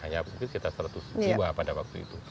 hanya mungkin sekitar seratus jiwa pada waktu itu